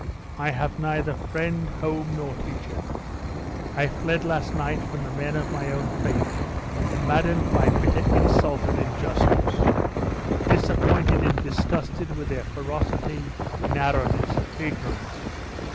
I have neither friend, home, nor teacher. I fled last night from the men of my own faith, maddened by bitter insult and injustice disappointed and disgusted with their ferocity, narrowness, ignorance.